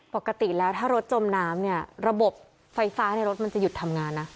ปกติแล้วถ้ารถจมน้ำเนี่ยระบบไฟฟ้าในรถมันจะหยุดทำงานนะ